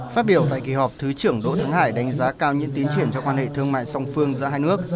phát biểu tại kỳ họp thứ trưởng đỗ thắng hải đánh giá cao những tiến triển trong quan hệ thương mại song phương giữa hai nước